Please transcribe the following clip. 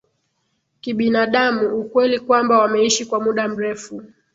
kibinadamu Ukweli kwamba wameishi kwa muda mrefu